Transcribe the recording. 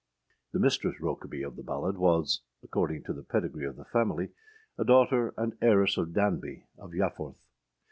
The Mistress Rokeby of the ballad was, according to the pedigree of the family, a daughter and heiress of Danby, of Yafforth.